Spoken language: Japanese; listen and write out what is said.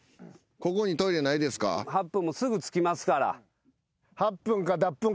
８分すぐ着きますから。